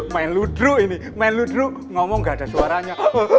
main ludru ini main ludru ngomong nggak ada suaranya